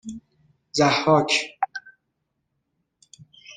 ضحاک